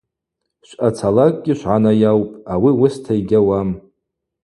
Швъацалакӏгьи швгӏанайаупӏ, ауи уыста йгьауам.